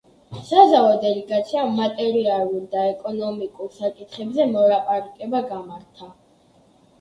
საზავო დელეგაციამ მატერიალურ და ეკონომიკურ საკითხებზე მოლაპარაკება გამართა.